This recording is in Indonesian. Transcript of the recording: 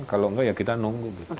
kalau nggak ya kita nunggu